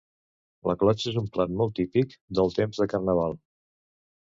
La clotxa és un plat molt típic del temps de Carnaval.